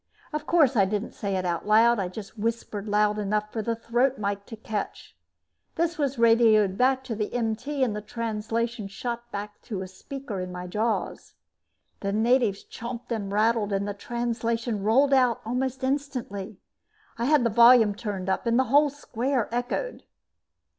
Of course I didn't say it out loud, just whispered loud enough for the throat mike to catch. This was radioed back to the MT and the translation shot back to a speaker in my jaws. The natives chomped and rattled and the translation rolled out almost instantly. I had the volume turned up and the whole square echoed.